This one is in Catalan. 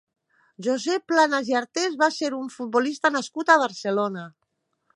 Josep Planas i Artés va ser un futbolista nascut a Barcelona.